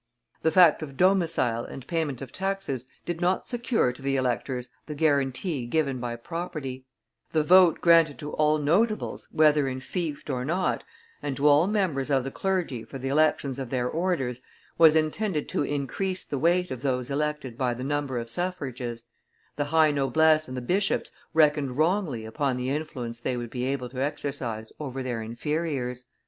The fact of domicile and payment of taxes did not secure to the electors the guaranty given by property; the vote granted to all nobles whether enfeoffed or not, and to all members of the clergy for the elections of their orders, was intended to increase the weight of those elected by the number of suffrages; the high noblesse and the bishops reckoned wrongly upon the influence they would be able to exercise over their inferiors.